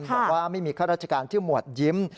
บอกว่าไม่มีข้าราชการชื่อหมวดยิ้ม